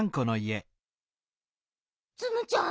ツムちゃん